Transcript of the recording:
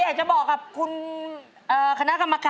เป็นเรื่องราวของแม่นาคกับพี่ม่าครับ